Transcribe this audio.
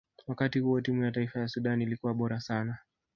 wakati huo timu ya taifa ya sudan ilikuwa bora sana